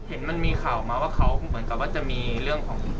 เห็นมันมีข่าวมาว่าเขาเหมือนกับว่าจะมีเรื่องของ